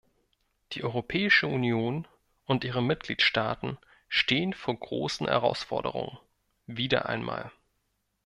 Die Europäische Union und ihre Mitgliedstaaten stehen vor großen Herausforderungen – wieder einmal!